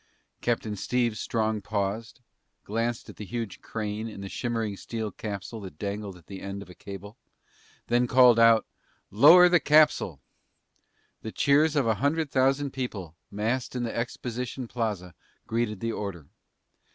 Captain Steve Strong paused, glanced at the huge crane and the shimmering steel capsule that dangled at the end of a cable, then called out, "Lower the capsule!" The cheers of a hundred thousand people massed in the exposition plaza greeted the order.